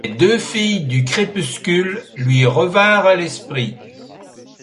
Les deux filles du crépuscule lui revinrent à l’esprit.